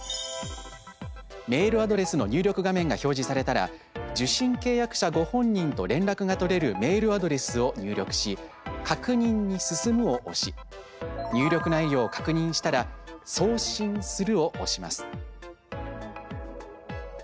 メールアドレスの入力画面が表示されたら受信契約者ご本人と連絡が取れるメールアドレスを入力し「確認に進む」を押し入力内容を確認したら「送信する」を押します。